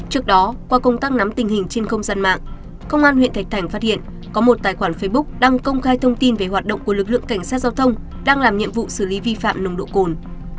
trước đó qua công tác nắm tình hình trên không gian mạng công an huyện thạch thành phát hiện có một tài khoản facebook đăng công khai thông tin về hoạt động của lực lượng cảnh sát giao thông đang làm nhiệm vụ xử lý vi phạm nồng độ cồn